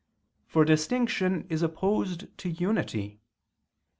For distinction is opposed to unity.